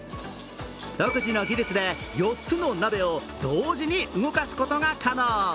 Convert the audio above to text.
独自の技術で４つの鍋を同時に動かすことが可能。